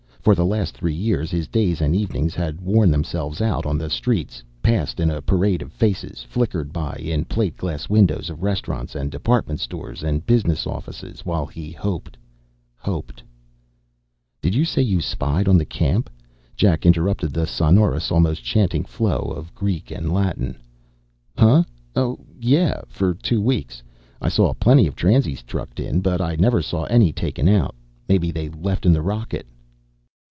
For the last three years his days and evenings had worn themselves out on the streets, passed in a parade of faces, flickered by in plate glass windows of restaurants and department stores and business offices, while he hoped, hoped.... "Did you say you spied on the camp?" Jack interrupted the sonorous, almost chanting flow of Greek and Latin. "Huh? Oh, yeah. For two weeks. I saw plenty of transies trucked in, but I never saw any taken out. Maybe they left in the rocket."